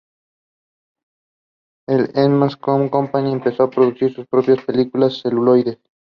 La Eastman Kodak Company empezó a producir sus propias películas de celuloide.